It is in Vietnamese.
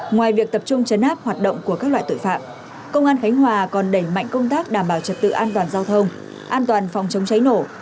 ngoài việc tập trung chấn áp hoạt động của các loại tội phạm công an khánh hòa còn đẩy mạnh công tác đảm bảo trật tự an toàn giao thông an toàn phòng chống cháy nổ